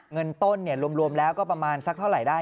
เงินต้นรวมแล้วก็ประมาณสักเท่าไหร่ได้